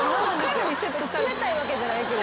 冷たいわけじゃないけどね。